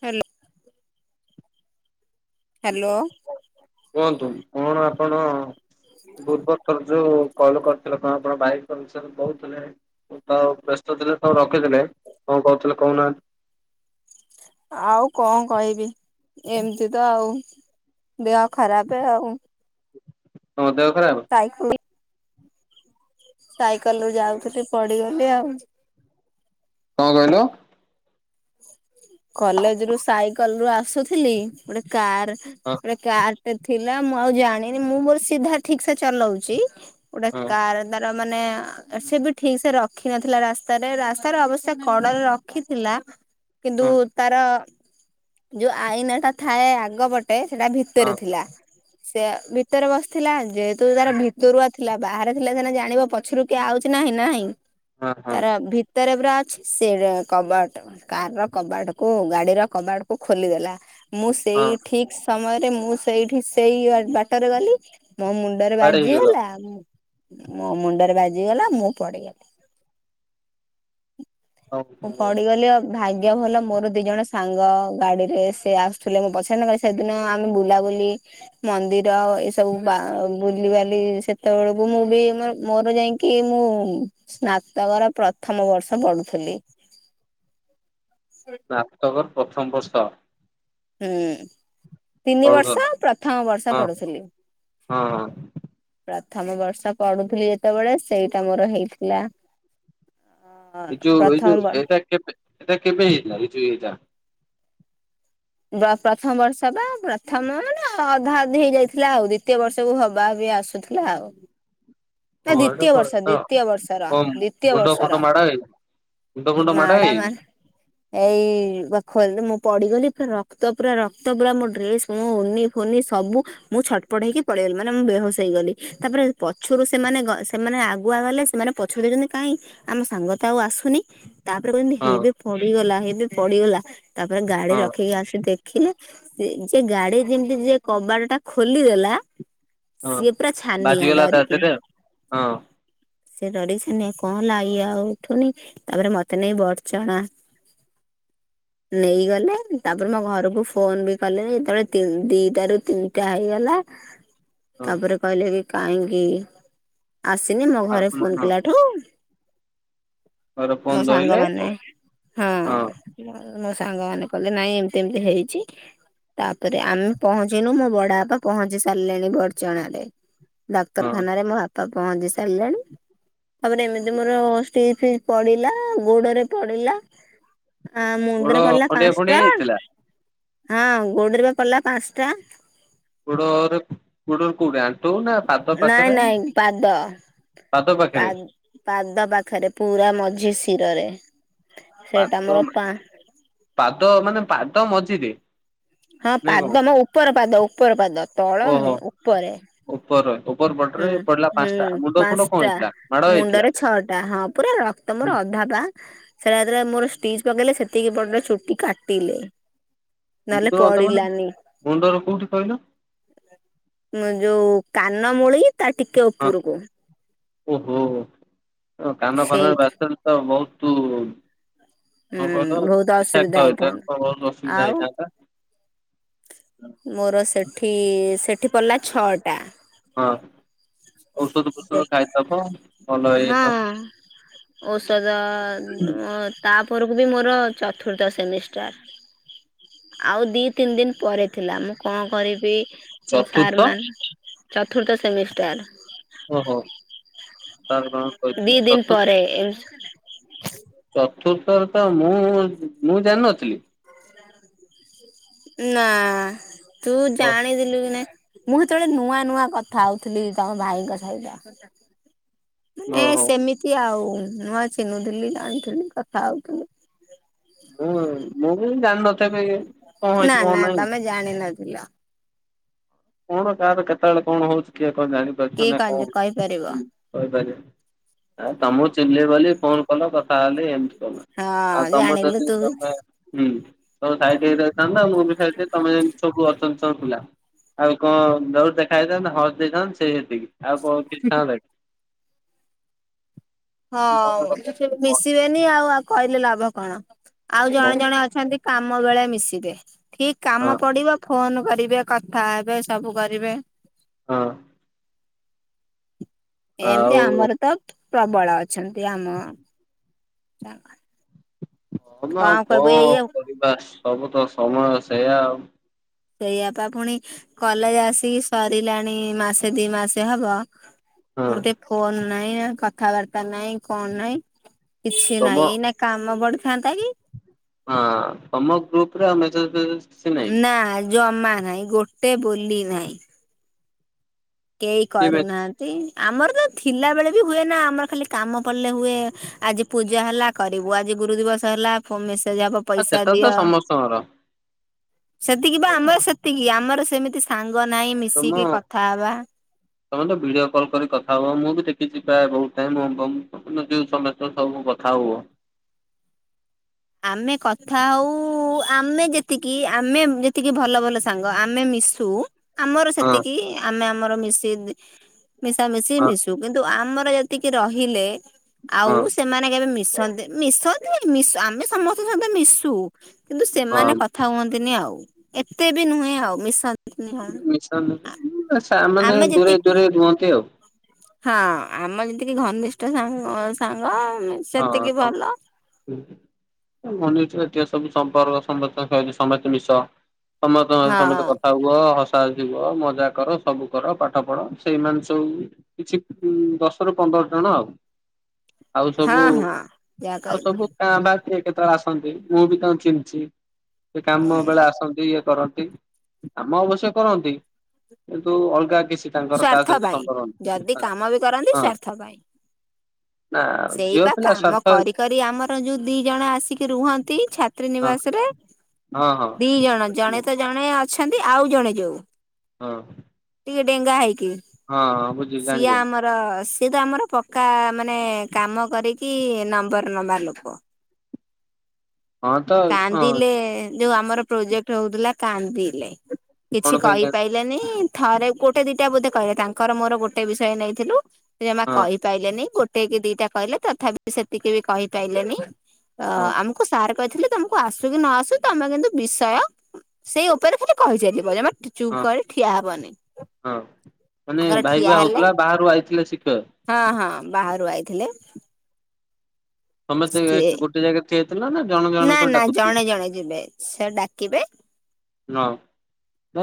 Hello! Hello! କୁହନ୍ତୁ, କଣ ଆପଣ ପୂର୍ବଥର ଯୋଉ କଲ କରିଥିଲ। କଣ କଣ ବାଇସ୍ ପରସେଣ୍ଟ କହୁଥିଲେ। ତ ବ୍ୟସ୍ତ ଥିଲେ, ତ ରଖିଥିଲେ କଣ କହୁଥିଲେ କହୁନାହାଁ ନ୍ତି ଆଉ କଣ କହିବି? ଏମିତି ତ ଆଉ। ଦେହ ଖରାପେ ଆଉଁ। ତମ ଦେହ ଖରାପ? ନାଇଁ। ସାଇକେଲ ରୁ ଯାଉଥିଲି ପଡିଗଲି ଆଉ। କଣ କହିଲୁ? କଲେଜ ରୁ ସାଇକେଲ ରୁ ଆସୁଥିଲି। ଗୋଟେ କାର, ହଁ ଗୋଟେ କାର ଏ ଥିଲା ମୁଁ ଆଉ ଜାଣିନି, ମୁଁ ମୋର ସିଧା ଠିକ୍ ସେ ଚଲଉଚି। ଗୋଟେ ହଁ କାର ତାର ମାନେ ସେ, ବି ଠିକ୍ ସେ ରଖ- ରଖିନଥିଲା। ରାସ୍ତାରେ ରାସ୍ତାର ଅବଶ୍ୟ କଡରେ ରଖିଥିଲା। କିନ୍ତୁ, ହଁ ତାର ଯୋଉ ଆଇନା ଟା ଥାଏ ଆଗ ପ ଟେ ସେଟା ହଁ ଭିତରେ ଥିଲା। ସେଇୟା ଭିତରେ ବସିଥିଲା ଯେହେତୁ ତାର ଭିତରୁଆ ଥିଲା। ବାହାରେ ଥିଲା ସିନା ଜାଣିବ ପଛରୁ କିଏ ଆଉଚି ନାହିଁ ନାହିଁ। ହଁ ହଁ। ତାର ଭିତରେ ପୁରା ଅଛି ସେରା କବାଟ। କାର୍ ର କବାଟକୁ ଗାଡିର କବାଟକୁ ଖୋଲିଦେଲା। ମୁଁ ହଁ ସେଇ ଠିକ୍ ସମୟରେ ମୁଁ ସେଇଠି ସେଇ ବା-ବାଟରେ ଗଲି। ମୋ ମୁଣ୍ଡରେ କୁଆଡେ ହେଇଗଲ? ବାଜିଗଲା। ମୁଁ ମୁଣ୍ଡରେ ବାଜିଗଲା ମୁଁ ପଡିଗଲି। ମୁଁ ପଡିିଗଲି ଆଉ ଭାଗ୍ୟ ଭଲ ମୋର ଦି ଜଣ ସାଙ୍ଗ ଗାଡିରେ ସେ ଆସୁଥିଲେ ମୋ ପଛରେ [unintelligible] ସେ ଦିନ ଆମେ ବୁଲାବୁଲି ମନ୍ଦିର ଆଉ ଏସବୁ ବା ବୁଲିବାଲି ସେତେବେଳକୁ ମୁଁ ବି ମୋର ମୋର ଯାଇଁ କି ମୁଁ ସ୍ନାତକର ପ୍ରଥମ ବର୍ଷ ପଢୁଥିଲି। [unintelligible] ସ୍ନାତକର ପ୍ରଥମ ବର୍ଷ। ହୁଁ ତିନି ପଢୁଥିଲ ବର୍ଷ ପ୍ରଥମ ବର୍ଷ ହଁ ହଁ ପଢୁଥିଲି। ହଁ ପ୍ରଥମ ବର୍ଷ ପଢୁଥିଲି ଯେତେବେଳେ ସେଇଟା ମୋର ହେଇଥିଲା। ଅ ଏଇ ଯୋଉ ଏଇ ଯୋଉ ପ୍ରଥମ ଏଟା କେବେ ଏଟା କେବେ ହେଇଥିଲା ଏଇ ଯୋଉ ଏଇଟା? ବ ପ୍ରଥମ ବର୍ଷ ତ ପ୍ରଥମ ମାନେ ଅଧା ଅଧି ହେଇଯାଇଥିଲା ଆଉ। ଦ୍ଵିତୀୟ ବର୍ଷକୁ ହବା ବି ଆସୁଥିଲା। ଆଉ ନା ଦ୍ଵିତୀୟ ବର୍ଷ ଦ୍ଵିତୀୟ ବର୍ଷର କଣ ଦ୍ଵିତୀୟ ମୁଣ୍ଡ ଫୁଣ୍ଡ ବର୍ଷର। ମାଡ ହେଇନି ମୁଣ୍ଡ ଫୁଣ୍ଡ ମାଡ ମ୍ୟାଡମ ହେଇନି ଏଇ ପାଖରେ ତ ମୁଁ ପଡିଗଲି ପୁରା ରକ୍ତ ପୁରା ରକ୍ତ ପୁରା ମୋ ଡ୍ରେସ ମୋ ଓନି ଫୋନି ସବୁ ମୁଁ ଛଟପଟ ହେଇକି ପଳେଇ ଆଇଲି ମାନେ ମୁଁ ବେହୋସ ହେଇଗଲି। ତାପରେ ପଛରୁ ସେମାନେ ସେମାନେ ଆଗୁଆ ଗଲେ ସେମାନେ ପଛକୁ ଦେଖୁଚନ୍ତି କାଇଁ ଆମ ସାଙ୍ଗ ତ ଆଉ ଆସୁନି। ତାପରେ କୋହୁଚନ୍ତି ହଁ ହେଇବେ ପଡିଗଲା ହେଇବେ ପଡିଗଲା। ତାପରେ ଗାଡି ହଁ। ରଖେଇକି ଆସି ଦେଖିଲେ। ସେ ଯେ ଗାଡି ଯେମିତି ଯିଏ କବାଟ ଟା ଖୋଲିଦେଲା। ହଁ ସିଏ ପୁରା ଛାନିଆ ବାଜିଗଲା ତା ଡରିକି। ଦେହରେ ହଁ ସିଏ ଡରିକି ଛାନିଆ କଣ ହେଲା ଇଏ ଆଉ ଉଠୁନି। ତାପରେ ମତେ ନେଇ ବଢଚଣା ନେଇଗଲେ। ତାପରେ ମୋ ଘରକୁ ଫୋନ୍ ବି କଲେ। ଯେତେବେଳେ ତି ଦିଇଟା ରୁ ତିନିଟା ହେଇଗଲା ହଁ ତାପରେ କହିଲେ କି କାହିଁକି ଆସିନି ମୋ ଆଉ ଘରେ ଫୋନ୍ ହଁ କଲାଠୁ ଘର ଫୋନ ମୋ ଧଇଲେ ସାଙ୍ଗମାନେ ହଁ ହଁ। ମୋ ସାଙ୍ଗ ମାନେ କହିଲେ ନାଇଁ ଏମିତି ଏମିତି ହେଇଚି। ତାପରେ ଆମେ ପହଞ୍ଚିନୁ ମୋ ବଡ ବାପା ପହଞ୍ଚି ସାରିଲେଣି ବଡଚଣାରେ। ଡାକ୍ତରଖାନରେ ମୋ ବାପା ପହଞ୍ଚି ସାରିଲେଣି ତାପରେ ଏମିତି ମୋର ଷ୍ଟିଚ୍ ଫିଚ୍ ପଡିଲା ଗୋଡରେ ପଡିଲା। ଆ ଗୋଡ ମୁଣ୍ଡରେ ପଡିଲା ଖଣ୍ଡିଆ ଖଣ୍ଡିଆ ପାଞ୍ଚଟା ହେଇଥିଲା ହଁ ଗୋଡରେ ପା ପଡିଲା ପାଞ୍ଚଟା। ଗୋଡୋରେ ଗୋଡ କୋଉଟା? [unintelligible] ଆଣ୍ଠୁ ନା ପାଦ ନାଇଁ ପାଖରେ ନା ନାଇଁ ପାଦ ପାଦ ପା ପାଖରେ। ପାଦ ପାଖରେ ପୁରା ମଝି ଶିରରେ। ସେଇଟା ପାଦ ମୋର ପା ପାଦ ମାନେ ପାଦ ମଝିରେ। ହଁ ନାଇଁ କଣ ପାଦ ମୋ ଉପର ପାଦ ଉପର ପାଦ ତଳ ଓହୋ ନୁହେଁ ଉପରେ। ଉପର ଉପର ପଟରେ ହୁଁ ପଡିଲା ପାଞ୍ଚଟା ହୁଁ ମୁଣ୍ଡ ଫୁଣ୍ଡ କଣ ପାଞ୍ଚଟା ହେଇଥିଲା ମାଡ ହେଇଥିଲା ମୁଣ୍ଡରେ ଛଅଟା ହଁ ପୁରା ର ତମର ଅଧା ପା। ସେରା ମୋର ଯେତେବେଳେ ଷ୍ଟିଚ୍ ପକେଇଲେ ସେତିକି ପଟ ଚୁଟି କାଟିଲେ। ନହେଲେ ମୁଣ୍ଡଟା ମାନେ ପଡିଲାନି ମୁଣ୍ଡର କୋଉଠି କହିଲ। ଯୋଉ କାନ ମୂଳି ତା ଟିକେ ହଁ ଉପରକୁ। ଓହୋ କାନ ଫାନରେ ସେଇଠି ବାଜିଥାନ୍ତାତା ବୋହୁତୁ କଣ କଲ ହୁଁ ବହୁତ ଅସୁବିଧା ବିଷାତ ହେଇଥାନ୍ତା ତ ବହୁତ ଅସୁବିଧା ଆଉ ହେଇଥାନ୍ତା? ମୋର ସେଠି ସେଠି ପଡ଼ିଲା ଛଅଟା। ହଁ ଔଷଧ ସେ ଫଷଧ ଖାଇଥା କଣ ଭଲ ହଁ ହେଇଥାନ୍ତା। ଔଷଧ। ତାପରକୁ ବି ମୋର ଚତୁର୍ଥ ସେମିଷ୍ଟାର। ଆଉ ଦି ତିନି ଦିନ ପରେ ଥିଲା। ମୁଁ କଣ କରିବି? ଚତୁର୍ଥ ସାର୍ ମ ଚତୁର୍ଥ ସେମିଷ୍ଟାର। ଓହୋ! ସାର୍ କଣ କହିଥିଲେ? ଚତୁର୍ଥ ସେ [unintelligible] ଚତୁର୍ଥରେ ତ ମୁଁ ମୁଁ ଜାଣିନଥିଲି‌। ନା ତୁ ଓ ଜାଣିଥିଲଥିଲୁ କି ନାଇଁ। ମୁଁ ସେତେବେଳେ ନୂଆ ନୂଆ କଥା ହଉଥିଲି ତମ ଭାଇଙ୍କ ସହିତ। ଏ ଓହୋ। ସେମିତି ଆଉ ନୂଆ ଚିନୁ ଥିଲି ଜାଣିଥିଲି କଥା ହଉଥିଲି। ହୁଁ ମୁଁ ବି ଜାଣିନଥିବ କଣ ନା ହେଇଛି କଣ ନା ନାହିଁ? ତମେ ଜାଣିନଥିଲ। କଣ କାଁହାର କେତେବେଳେ କଣ ହଉଛି କିଏ କଣ ଜାଣିପାରୁଛ କିଏ ନା କଣ? କହିପାରିବ କହିପାରିବି ଆ ତମକୁ ଚିହିଲି ବୋଲି ଫୋନ କଲ କଥା ହେଲି ଏମତି‌ ହଁ ଆଉ ତମର ଜାଣିଲୁ ଯଦି ତୁ ତମେ ହୁଁ ତମ ସାଇଡ ହେଇ ଯାଇଥାନ୍ତା ମୁଁ ବିଇ ତମେ ସବୁ ଅଛନ୍ତି ପିଲା। ଆଉ କଣ ଯୋଠ ଦେଖା ହେଇଥାନ୍ତ ହଜ ଦେଇଥାନ୍ତ ସେଇ ଯେତିକି ଆଉ କିଛି ଥାନ୍ତତା ଏଠି। ମନ ହଁ ମ ମିଶିବେନି ଆଉ ଆଉ କହିଲେ ଲାଭ କଣ ଆଉ ଜଣେ ମନ ଜଣେ ଅ ଛନ୍ତି କାମ ବେଳେ ମିଶିବେ ଠିକ କାମ ହଁ ପଡିବ ଫୋନ କରିବେ କଥା ହେବେ ସବୁ କରିବେ। ହଁ। ଏମିତି ଆଉ ଆମର ତ ପ୍ରବଳ ଅଛନ୍ତି ଆମ। ହଁ ନାଉ କହିବୁ କଣ ଏଇ ଆଉ କରିବା ସବୁ ତ ସମୟ ସେଇୟଆ ଆଉ। ସେଇଆପା ପୁଣି କଲେଜ ଆସିକି ସରିଲାଣି ମାସେ ଦି ମାସେ ହବ। ହଁ। ମୁତେ ଫୋନ ନାହିଁ କଥାବାର୍ତ୍ତା ନାହିଁ କଣ ନାହିଁ କିଛି ତମ ନାହିଁ ଏ। କାମ ବଡିିଥାଆନ୍ତା କି? ହଁ ତମ ଗ୍ରୁପ ରେ ଆମେ [unintelligible] ନା ଜମା ନାହିଁ ଗୋଟେ ବୋଲି ନାହିଁ। କେହି କିଏ ମେସେ କରୁନାହାନ୍ତି ଆମର ତ ଥିଲା ବେଳେ ବି ହୁଏ ନା ଆମର ଖାଲି। କାମ ପଡ଼ିଲେ ହୁଏ ଆଜି ପୂଜା ହେଲା କରିବୁ ଆଜି ଗୁରୁ ଦିବସ ହେଲା ମେସେଜ ହବ ଆ ପଇସା ସେଟ ତ ଦିଅ ସମସ୍ତଙ୍କର। ସେତିକି ବା ଆମର ସେତିକି ଆମର ସେମିତି ସାଙ୍ଗ ନାହିଁ ତମ ମିଶିକି କଥା ହବା। ତମେ ତ ଭିଡିଓ କଲ୍ କରି କଥା ହବ ମୁଁ ବି ଦେଖିଛି ପ୍ର ବହୁତ ଟ ଯୋଉ ସମ ତ ସବୁ କଥା ହବ। ଆମେ କଥା ହଉ ଆମେ ଯେତିକି ଆମେ। ଟିକେ ଭଲ ଭଲ ସାଙ୍ଗ ଆମେ ମିଶୁ ଆମର ହଁ ସେତିକି ଆମେ ଆମର ମିଶି ମିଶାମଶି ହଁ ମିଶୁ କିନ୍ତୁ ଆମର ଯେତିକି ରହିଲେ। ଆଉ ହଁ ସେମାନେ କେବେ ମିଶନ୍ତି ମିଶନ୍ତିଶ ଆମେ ସମସ୍ତଙ୍କ ସହିତ ମିଶୁ। କିନ୍ତୁ ସେମାନେ ହଁ। କଥା ହୁଅନ୍ତିନି ଆଉ ଏତେ ବି ନୁହେଁ ଆଉ ମିଶନ୍ତିନି ହଉ। [unintelligible] ସେମାନେ ଦୂରେ ଦୂରେ ରୁହନ୍ତି ଆଉ ହଁ ଆମ ଯେମତିକି ଘନିଷ୍ଠ ସା ସାଙ୍ଗ। ହଁ ସେତିକି [unintelligible] ଭଲ ମନେଯଛି ସବୁ ସମ୍ପର୍କ [unintelligible] ସମସ୍ତେ ମିଶ ସମସ୍ତେ ହଁ ସମସ୍ତେ କଥା ହୁ। ହୁଅ ହସା ହସିବୁହ ମଜା କର ସବୁ କର ପାଠ ପଢ ସେଇମାନେ ସବୁ। କିଛି ଦଶ ରୁ ପନ୍ଦର ଜଣ ଆଉ। ଆଉ ସବୁ ହଁ ହଁ ଯାହା ଆଉ କହିଲୁ ସବୁ କାଁ ବା କିଏ କେତେବେଳେ ଆସନ୍ତି ମୁଁ ବି ତଙ୍କୁ ଚିନିଛି ସେ କାମ ହୁଁ ବେଳେ ଆସନ୍ତି ଇଏ କରନ୍ତି କାମ ଅବଶ୍ୟ କରନ୍ତି କିନ୍ତୁ ଅଲଗା କିଛି ତାଙ୍କର କାହା ସ୍ଵାର୍ଥ ସହିତ ପାଇଁ ସମ୍ଭବ ଯଦି କାମ ବି କରନ୍ତି ହ ହଁ ସ୍ଵାର୍ଥ ପାଇଁ ନା ସେଇ ଝିଅ ବା ପିଲା କାମ ସ୍ୱାର୍ଥ କରି କରି ଆମର ଯୋଉ ଦି ଜଣ ଆସିକି ରୁହନ୍ତି ଛାତ୍ରୀ ହଁ ନିବାସ ରେ ହଁ ହଁ ଦି ଜଣ ଜଣେ ତ ଜଣେ ଅଛନ୍ତି ଆଉ ଜଣେ ଯୋଉ ହଁ ଟିକେ ଡେଙ୍ଗା ହେଇକି ହଁ ହଁ ବୁଝି ଜାଣିପାଇନି [unintelligible] ସିଏ ତ ଆମର ପକ୍କା ମାନେ କାମ କରିକି ନମ୍ବର ନମ୍ବାର ଲୋକ ହଁ ତ ହଁ କାନ୍ଦିଲେ ଯୋଉ ଆମର ପ୍ରୋଜେକ୍ଟ ହଉଥିଲା କାନ୍ଦିଲେ କିଛି କଣ ପାଇଁ କା କହିପାଇ ଲେନି ଥରେ ଗୋଟେ ଦିଟା ବୋଧେ କହିଲେ ତାଙ୍କର ମୋର ଗୋଟେ ବିଷୟ ନେଇଥିଲୁ ଯେମା ହଁ କହ ପାଇଲେନି ଗୋଟେ କି ଦିଟା କହିଲେ ତଥାପି ସେତିକି ବି କହିପାରଲେନି ଅ ହଁ ଆମକୁ ସାର୍ କହିଥିଲି ତମକୁ ଆସୁ କି ନ ଆସୁ ତମେ କିନ୍ତୁ ବିଷୟ ସେଇ ଉପରେ ଖାଲି କହି ଚାଲିବ ଚୁପ୍ ହଁ କରି ଠିଆ ହବନି ହଁ ମାନେ ଆଗର ଭାଇ ଠିଆ ବା ହେଲେ। ହଉଥିଲା ବାହାରୁ ଆଇଥିଲେ ଶିଖିବାକୁ। ହଁ ହଁ ବାହାରୁ ଆଇଥିଲେ। ସମେ ସିଏ ଗୋଟେ ଜାଗା ଠିଆଇଥିଲ ନା ଜଣ ନା ଜଣଙ୍କର ନା ଡାକୁଥିଲା ଜଣେ ଜଣେ ଯିବେ ସେ ଡାକିବେ। ନ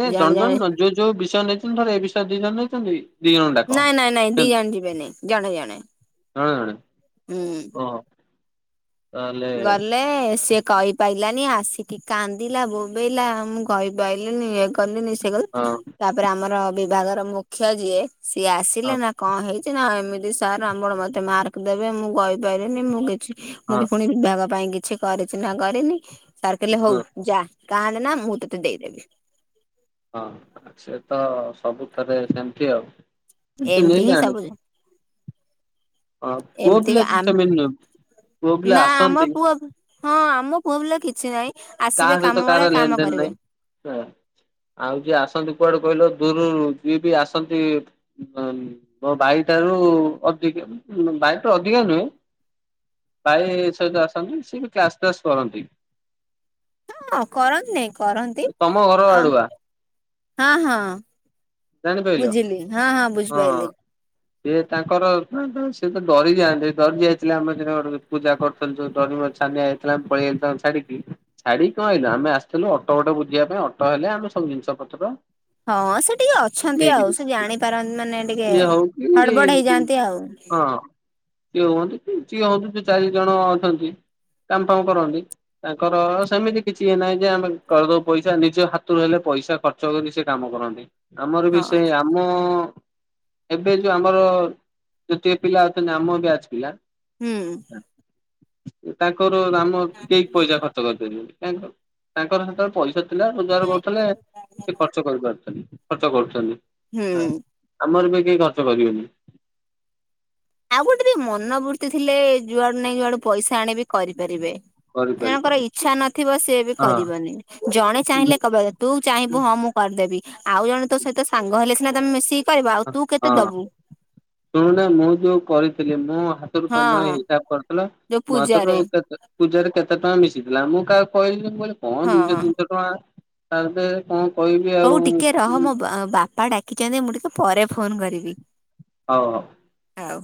ନାହି ଜଣେ ଜଣ ଜଣେ ଜଣ ଯୋଉ ଯୋଉ ବିଷୟ ନେଇଛନ୍ତି ଧର ଏ ବିଷୟରେ ଦି ଜଣ ନେଇଛନ୍ତି। ଦି ଜଣ ଡାକ। ନାଇଁ ନାଇଁ ନାଇଁ ଦି ସେମିତି ଜଣେ ଯିବେ ନାଇଁ ଜଣେ ଜଣେ। ଜଣେ ଜଣେ ହୁଁ! ଓହୋ ତାହେଲେ ଗଲେ ସିଏ କହି ପାଇଲାନି ଆସିକି କାନ୍ଦିଲା ବୋବେଇଲା ମୁଁ କହିପାରଲିିନି ଇଏ କି ହଁ ତାପରେ ଆମର ବିଭାଗର ମୁଖ୍ୟ ଯିଏ ସିଏ ଆସିଲେ ହଁ ନା କଣ ହେଇଛି ନା ଏମିତି ସାର୍ ଆମର ମତେ ମାର୍କ ଦେବେ ମୁଁ କହିପାରିବିନି ମୁଁ କିଛି ମୁଁ ହଁ ପୁଣି ବିଭାଗ ପାଇଁ କିଛି କରିଚି ନାଁ କରିନି ସାର କହିଲେ ହଁ। ହଉ ଯା! କାନ୍ଦେନା ମୁଁ ତତେ ଦେଇଦେବି! ହଁ ସେ ତ ସବୁ ଥରେ ସେମିତି ଆଉ! ଚିହ୍ନି ଏମତି ହିଁ ସବୁ! ଜାଣିଛି। ହଁ ପୁଅ ପିଲା ଏମତିକା କିନ୍ତୁ ସେମିତି ନୁହେଁ ପୁଅ ପିଲା ନା ଆମ ଆସନ୍ତି ପୁଅ ହଁ ଆମ ପୁଅ ପିଲା କିଛି ନାହିଁ! ଆସିବେ କାହା ସହିତ କାମ ବେଳେ କାହାର ଲେନ କାମ ଦେନ କରିବେ। ନାହିଁ ଆଉ ଯିଏ ଆସନ୍ତି କୁଆଡେ କହିଲ ଦୂରୁରୁ ଯିଏ ବି ଆସନ୍ତି ହୁଁ, ମୋ ବାଇ ଠାରୁ ଅଧିକ ବାଇ ଠାରୁ ଅଧିକା ନୁହେଁ! ପା ସହିତ ଆସନ୍ତି ସିଏ ବି କ୍ଲାସ୍ ଫ୍ଲାସ୍ କରନ୍ତି [inaudible] ହଁ କରନ୍ତି ନାଇଁ କରନ୍ତି ତମ ଘର ଆଉ ଆଡୁଆ ହଁ ହଁ! ! ଜାଣିପାରିଲ ବୁଝିଲି, ହଁ ହଁ ବୁଝିପାଇଲିି? ସେିଏ ତାଙ୍କର ନା ସିଏତ ଡରି ଯାଆନ୍ତି ଡରି ଯାଇଥିଲେ ଆମ ଦିନ ଗୋ ପୂଜା କର [inaudible] ଡରି ମରି ଛାନିଆ ହେଇଥିଲା ଆମେ ପଳେଇ ଆଇ ଥିଲୁ ଛାଡିକି! ଛାଡିକି କଣ ଆଇଲୁ ଆମେ ଆସିଥିଲୁ ଅଟୋ ଗୋଟେ ବୁଝିବା ପାଇଁ ଅଟୋ ହେଲେ ଆମେ ସବୁ ଜିନିଷ ପତ୍ର ହଁ ସେ ଟିକେ ଅଛନ୍ତି ନେଇକି ଆଉ ସେ ଯିବୁ। ଜାଣି ତାର ମାନେ ଟିକେ ସିଏ ହଉ କି ହଁ ହଡବଡ ହେଇଯାନ୍ତି ଆଉ! କିିଏ ହୁଅନ୍ତୁ ଜିଏ ହୁଅନ୍ତୁ ସିଏ ଚାରି ଜଣ ଅଛନ୍ତି କାମ ଫାମ କରନ୍ତି! ତାଙ୍କର ସେମିତି କିଛି ଇଏ ନାହିଁ ଯେ ଆମେ କରିଦଉ ପଇସା ନିଜ ହାତରୁ ହେଲେ ପଇସା ଖର୍ଚ ଚୀ ସେ କାମ କରନ୍ତି ଆମର ବି ହଁ ସେ ଆମ [inaudible] ଏବେ ଯୋଉ ଆମର ଯେତିକି ପିଲା ଅଛନ୍ତି ଆମ ବ୍ୟାଚ ପିଲା ହୁଁ। ତାଙ୍କର ଆମର କେହି ପଇସା ଖର୍ଚ୍ଚ ତାଙ୍କର ସେତେବେଳେ ପଇସା ଥିଲା ରୋଜଗାର କରୁଥିଲେ! ସେ ଖର୍ଚ୍ଚ କରିପାରୁଛନ୍ତି ଖର୍ଚ୍ଚ କରୁଛନ୍ତି। ହୁଁ। ଆମର ଏବେ କେହି ଖର୍ଚ୍ଚ କରିବେନି। ଆଉ ଗୋଟେ ବି ମନୋବୃର୍ତ୍ତି ଥିଲେ ଯୁଆଡୁ ନାଇଁ ଯୁଆଡୁ ପଇସା ଆଣି ବିି କରିପାରିବେ। କରିପାରିବ ଜଣଙ୍କର ଇଚ୍ଛା ନଥିବ ସେଏ ବି ହଁ କରିବନି, ଜଣେ ମୁଁ ଚାହିଁଲେ କେବେ ତୁ ଚାହିଁବୁ ହଁ ମୁଁ କରିଦେବି, ଆଉ ଜଣେ ତୋ ସହିତ ସାଙ୍ଗ ହେଲେ ସିନା ତମେ ମିଶି ହଁ, ଶୁଣୁନା ମୁଁ ଯୋଉ କରିଥିଲି ମୁଁ ହଁ ତମେବା ହିସାବ କରିୁଥିଲା ଯୋଉ ମୋ ହାତରୁ ପୂଜାରେ ପୂଜାରେ କେତେ ଟଙ୍କା ମିଶିଥିଲା, ମୁଁ କାହାକୁ କହିନି ମୁଁ କହିଲି କଣ ହଁ ଦିଶହ ତିନିଶହ ଟଙ୍କା ତା ଭିତରେ କଣ କହିବି ଆଉ ଆ ବାପା ଡା କିଛନ୍ତି ମୁଁ ଟିକେ ପରେ ଫୋନ କରିବି। ହଉ ହଉ। ଆଉ।